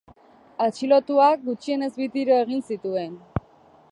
Atxilotuak gutxienez bi tiro egin zituen.